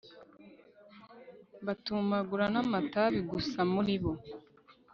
batumagura namatabi, gusa muribo